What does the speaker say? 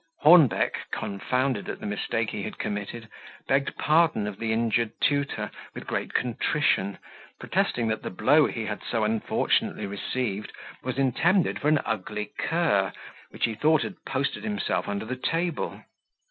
Hornbeck, confounded at the mistake he had committed, begged pardon of the injured tutor with great contrition protesting that the blow he had so unfortunately received, was intended for an ugly cur, which he thought had posted himself under the table.